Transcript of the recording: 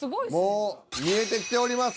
もう見えてきております